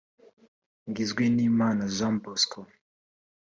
Ngizwenimana Jean Bosco